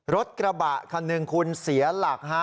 รถกระบะคันหนึ่งคุณเสียหลักฮะ